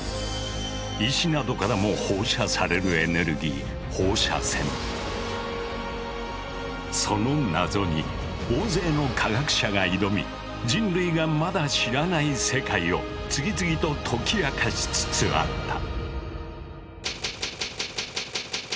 石などからも放射されるエネルギーその謎に大勢の科学者が挑み人類がまだ知らない世界を次々と解き明かしつつあった。